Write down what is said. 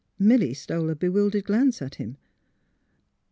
Milly stole a bewildered glance at him.